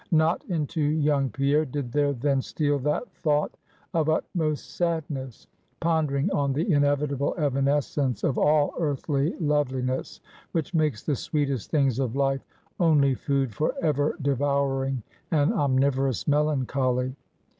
Not into young Pierre, did there then steal that thought of utmost sadness; pondering on the inevitable evanescence of all earthly loveliness; which makes the sweetest things of life only food for ever devouring and omnivorous melancholy.